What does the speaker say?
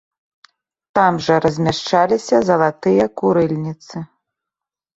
Там жа размяшчаліся залатыя курыльніцы.